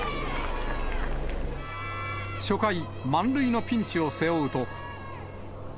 初回、満塁のピンチを背負うと。